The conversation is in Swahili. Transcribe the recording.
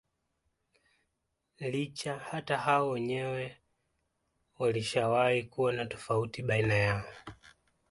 Licha hata hao wenyewe walishawahi kuwa na tofauti baina yao